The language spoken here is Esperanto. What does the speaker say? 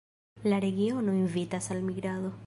La regiono invitas al migrado.